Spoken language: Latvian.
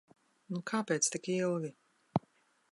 Nu kāpēc tik ilgi?